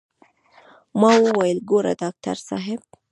ما وويل ګوره ډاکتر صاحب.